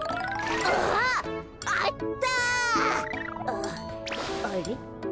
あっあれ？